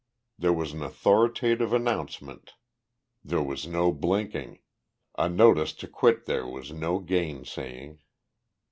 There was an authoritative announcement there was no blinking, a notice to quit there was no gain saying.